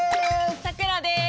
さくらです！